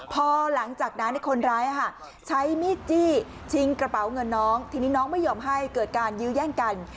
พอหลังจากนั้นคนร้ายใช้มีดจี้ชิงกระเป๋าเงินน้องทีนี้น้องไม่ยอมให้เกิดการยื้อแย่งกัน